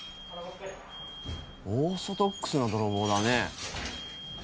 オーソドックスな泥棒だね。